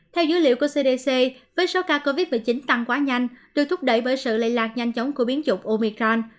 theo dữ liệu của cdc với số ca covid một mươi chín tăng quá nhanh được thúc đẩy bởi sự lây lạc nhanh chóng của biến chủng omicron